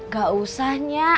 gak usah nya